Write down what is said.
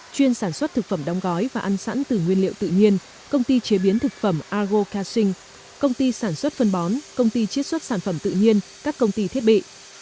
chuyên sản xuất thực phẩm đóng gói và ăn sẵn từ nguyên liệu tự nhiên công ty chế biến thực phẩm ago casing công ty sản xuất phân bón công ty chiết xuất sản phẩm tự nhiên các công ty thiết bị